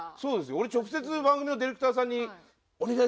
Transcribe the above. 俺直接番組のディレクターさんに。